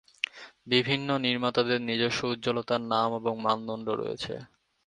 বিভিন্ন নির্মাতাদের নিজস্ব উজ্জ্বলতার নাম এবং মানদন্ড রয়েছে।